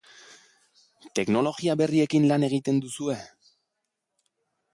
Teknologia berriekin lan egiten duzue?